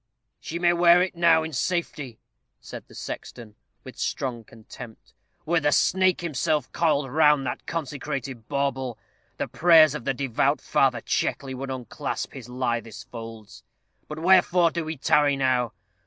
"She may wear it now in safety," said the sexton, with strong contempt. "Were the snake himself coiled round that consecrated bauble, the prayers of the devout Father Checkley would unclasp his lithest folds. But wherefore do we tarry now?